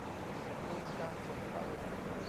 โครงการส่วนพระองค์